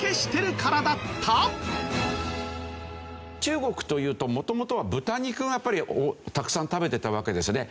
中国というと元々は豚肉をやっぱりたくさん食べてたわけですよね。